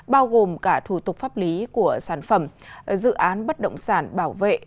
bao gồm cả thủ tục pháp lý của sản phẩm dự án bất động sản bảo vệ